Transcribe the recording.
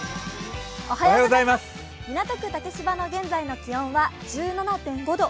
港区竹芝の現在の気温は１７．５度。